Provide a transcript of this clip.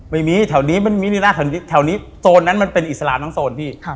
ไม่มีแถวนี้มันมีร้านแถวนี้โซนนั้นมันเป็นอิสลามทั้งโซนพี่